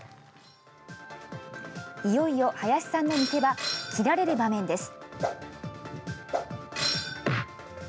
いよいよ林さんの見せ場、斬られる場面です。